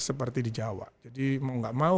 seperti di jawa jadi enggak mau